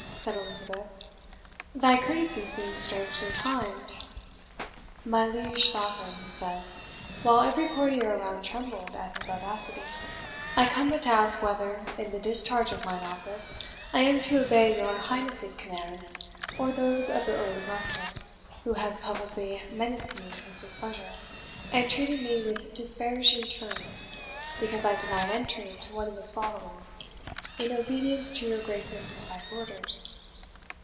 said Elizabeth, "thy courtesy seems strangely timed!" "My Liege Sovereign," he said, while every courtier around trembled at his audacity, "I come but to ask whether, in the discharge of mine office, I am to obey your Highness's commands, or those of the Earl of Leicester, who has publicly menaced me with his displeasure, and treated me with disparaging terms, because I denied entry to one of his followers, in obedience to your Grace's precise orders?"